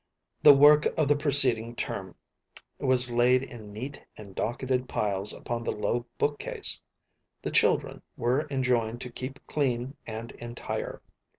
The work of the preceding term was laid in neat and docketed piles upon the low book case. The children were enjoined to keep clean and entire.